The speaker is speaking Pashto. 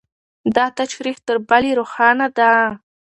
دا تشریح تر بلې روښانه ده.